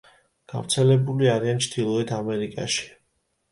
გავრცელებული არიან ჩრდილოეთ ამერიკაში.